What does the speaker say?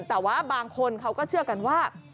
แต่ว่าบางคนเขาก็เชื่อกันว่า